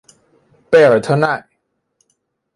贝尔特奈。